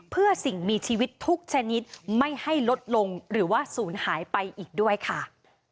เพื่อสิ่งมีชีวิตทุกชนิดไม่ให้ลดลงหรือว่าศูนย์หายไปอีกด้วยค่ะ